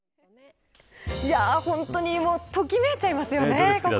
本当にときめいちゃいますよね。